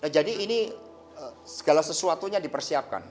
jadi ini segala sesuatunya dipersiapkan